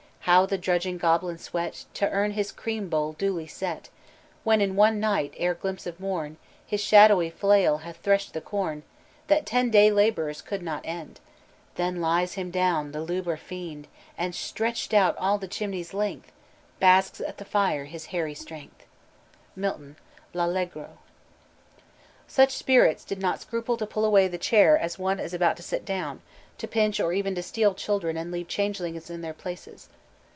" how the drudging goblin sweat To earn his cream bowl duly set, When in one night, ere glimpse of morn, His shadowy flail hath threshed the corn That ten day laborers could not end. Then lies him down the lubbar fiend, And stretcht out all the chimney's length Basks at the fire his hairy strength." MILTON: L'Allegro. Such sprites did not scruple to pull away the chair as one was about to sit down, to pinch, or even to steal children and leave changelings in their places.